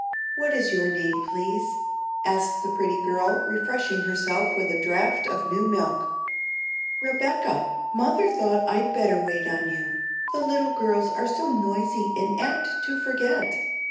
"What is your name, please?" asked the pretty girl, refreshing herself with a draught of new milk. "Rebecca. Mother thought I'd better wait on you; the little girls are so noisy and apt to forget.